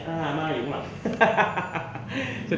อามาอยู่ข้างหลัง